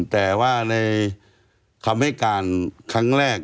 แต่ว่าในคำให้การครั้งแรก